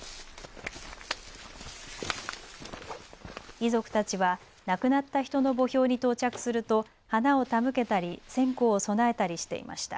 遺族たちは亡くなった人の墓標に到着すると花を手向けたり線香を供えたりしていました。